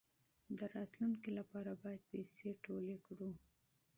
د راتلونکي لپاره باید پیسې ټولې کړو.